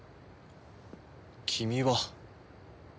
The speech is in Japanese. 君は。